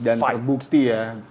dan terbukti ya